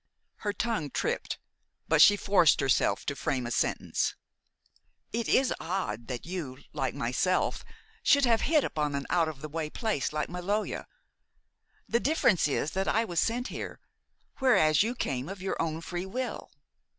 Her tongue tripped; but she forced herself to frame a sentence. "It is odd that you, like myself, should have hit upon an out of the way place like Maloja. The difference is that I was sent here, whereas you came of your own free will."